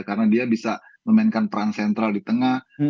karena dia bisa memainkan peran sentral di tengah